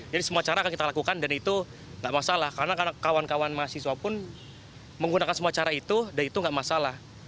jadi semua cara akan kita lakukan dan itu tidak masalah karena kawan kawan mahasiswa pun menggunakan semua cara itu dan itu tidak masalah